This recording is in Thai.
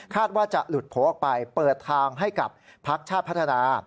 ว่าจะหลุดโผล่ออกไปเปิดทางให้กับพักชาติพัฒนา